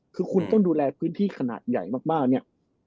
คือคุณต้องดูแลพื้นที่ขนาดใหญ่มากเนี่ย